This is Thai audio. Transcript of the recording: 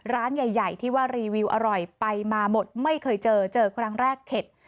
ร้านใหญ่ที่ว่ารีวิวอร่อยไปมาหมดไม่เคยเจอเจอครั้งแรกเข็ด